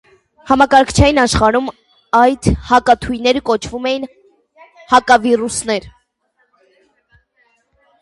Համակարգչային աշխարհում այդ հակաթույները կոչվում են հակավիրուսներ։